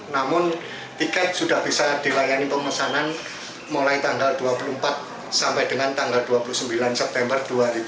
namun tiket sudah bisa dilayani pemesanan mulai tanggal dua puluh empat sampai dengan tanggal dua puluh sembilan september dua ribu dua puluh